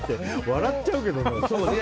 笑っちゃうけどね。